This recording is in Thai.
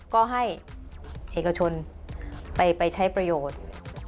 ก็ให้เอกชนไปใช้ประโยชน์